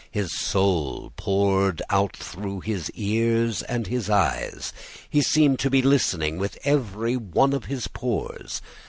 His soul poured out through his ears and his eyes. He seemed to be listening with every one of his pores.